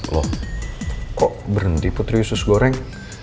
loh kok berhenti putri usus goreng